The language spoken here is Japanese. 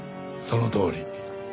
そのとおり。